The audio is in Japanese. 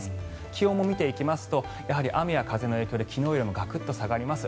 気温も見ていきますとやはり雨や風の影響で昨日よりガクッと下がります。